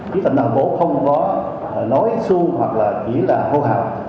chỉ thành phố không có nói su hoặc là chỉ là hô hạc